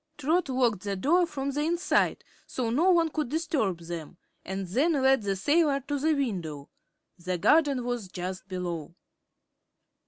Trot locked the door from the inside, so no one could disturb them, and then led the sailor to the window. The garden was just below.